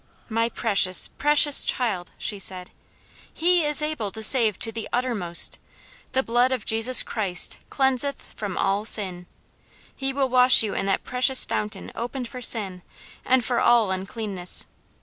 "My precious, precious child," she said, "He is able to save to the uttermost. 'The blood of Jesus Christ cleanseth from all sin.' He will wash you in that precious fountain opened for sin, and for all uncleanness.